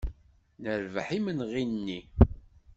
Nerbeḥ imenɣi-nni.